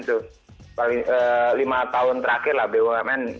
lima tahun terakhir lah bumn